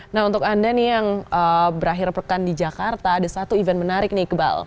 nah untuk anda nih yang berakhir pekan di jakarta ada satu event menarik nih iqbal